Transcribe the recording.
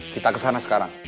kita kesana sekarang